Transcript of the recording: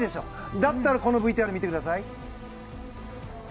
だったらこのＶＴＲ見てください。